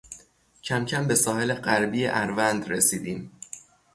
کمکم به ساحل غربی اروند رسیدیم